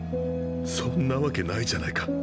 そんなわけないじゃないか。